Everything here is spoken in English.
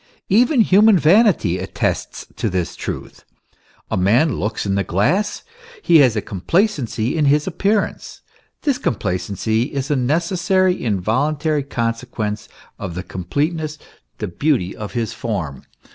Even human vanity attests this truth. A man looks in the glass ; he has complacency in his appear ance. This complacency is a necessary, involuntary conse quence of the completeness, the beauty of his form.